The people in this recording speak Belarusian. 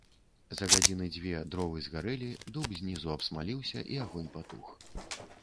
За гадзіны дзве дровы згарэлі, дуб знізу абсмаліўся, і агонь патух.